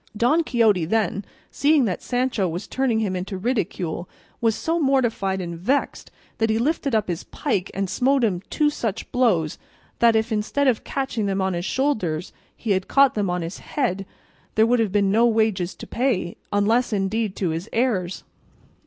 Don Quixote, then, seeing that Sancho was turning him into ridicule, was so mortified and vexed that he lifted up his pike and smote him two such blows that if, instead of catching them on his shoulders, he had caught them on his head there would have been no wages to pay, unless indeed to his heirs.